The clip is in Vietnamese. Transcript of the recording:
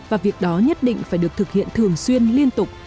và việc đó nhất định phải được thực hiện thường xuyên liên tục